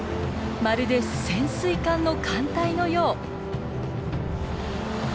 まるで潜水艦の艦隊のよう。